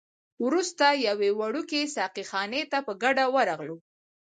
وروسته یوې وړوکي ساقي خانې ته په ګډه ورغلو.